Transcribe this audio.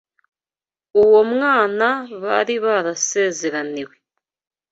uwo mwana bari barasezeraniwe